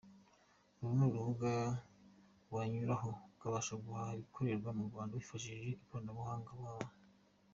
Uru ni urubuga wanyuraho ukabasha guhaha Ibikorerwa mu Rwanda wifashishije ikoranabuhanga: "www.